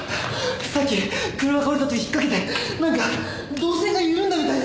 さっき車から降りた時引っかけてなんか導線が緩んだみたいで。